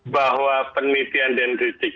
bahwa penelitian dan dirilis